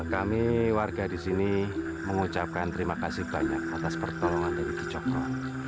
kami warga di sini mengucapkan terima kasih banyak atas pertolongan dari bu cokro